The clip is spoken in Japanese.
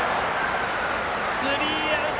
スリーアウト。